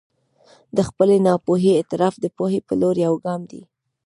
د خپلې ناپوهي اعتراف د پوهې په لور یو ګام دی.